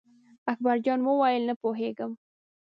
اکبر جان وویل: نه پوهېږم.